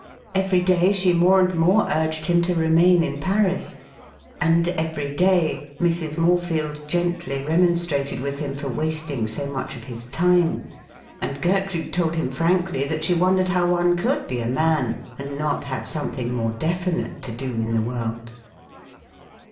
Every day she more and more urged him to remain in Paris, and every day Mrs. Morefield gently remonstrated with him for wasting so much of his time, and Gertrude told him frankly that she wondered how one could be a man and not have something more definite to do in the world.